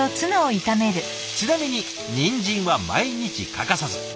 ちなみにニンジンは毎日欠かさず。